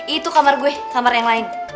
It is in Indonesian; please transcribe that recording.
itu kamar gue kamar yang lain